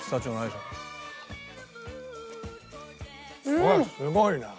すごいな。